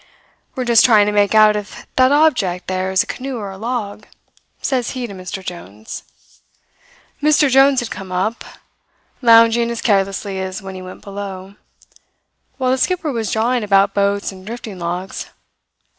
"'We are just trying to make out if that object there is a canoe or a log,' says he to Mr. Jones. "Mr Jones had come up, lounging as carelessly as when he went below. While the skipper was jawing about boats and drifting logs.